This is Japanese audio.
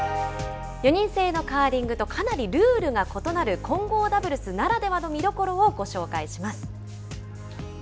４人制のカーリングとかなりルールが異なる混合ダブルスならではの見どころをご紹介します。